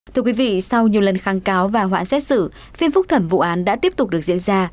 thưa quý vị sau nhiều lần kháng cáo và hoãn xét xử phiên phúc thẩm vụ án đã tiếp tục được diễn ra